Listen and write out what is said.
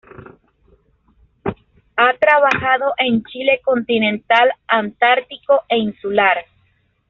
Ha trabajado en Chile continental, antártico e insular.